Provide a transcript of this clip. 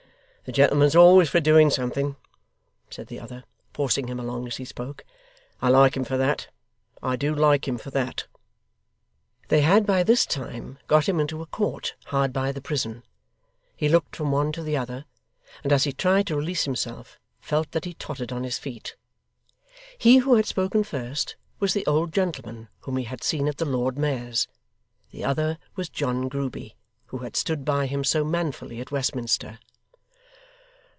'The gentleman's always for doing something,' said the other, forcing him along as he spoke. 'I like him for that. I do like him for that.' They had by this time got him into a court, hard by the prison. He looked from one to the other, and as he tried to release himself, felt that he tottered on his feet. He who had spoken first, was the old gentleman whom he had seen at the Lord Mayor's. The other was John Grueby, who had stood by him so manfully at Westminster.